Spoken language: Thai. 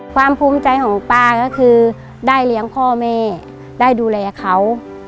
ภูมิใจของป้าก็คือได้เลี้ยงพ่อแม่ได้ดูแลเขา